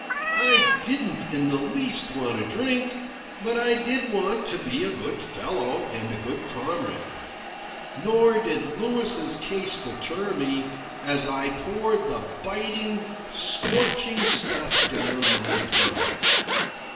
I didn't in the least want a drink, but I did want to be a good fellow and a good comrade. Nor did Louis' case deter me, as I poured the biting, scorching stuff down my throat.